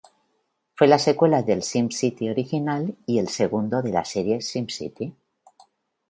Fue la secuela del SimCity original, y el segundo de la serie SimCity.